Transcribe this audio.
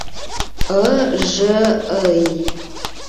Ы-жы-ый!